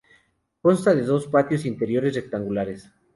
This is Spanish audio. Consta de dos patios interiores rectangulares.